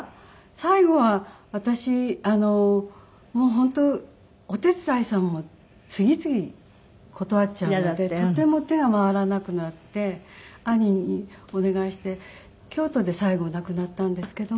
最後は私もう本当お手伝いさんも次々断っちゃうのでとても手が回らなくなって兄にお願いして京都で最後亡くなったんですけども。